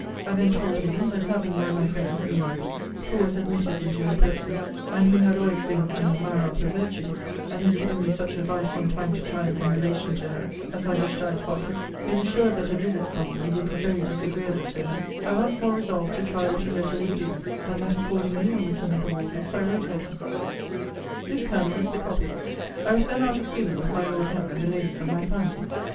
I then told him, 'That having, by my friend, [meaning thee,] who was admitted into her presence, (and who had always been an admirer of her virtues, and had given me such advice from time to time in relation to her as I wished I had followed,) been assured that a visit from me would be very disagreeable to her, I once more resolved to try what a letter would do; and that, accordingly, on the seventh of August, I wrote her one. 'This, Colonel, is the copy of it. I was then out of humour with my Lord M. and the ladies of my family.